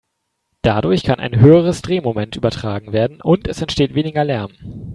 Dadurch kann ein höheres Drehmoment übertragen werden und es entsteht weniger Lärm.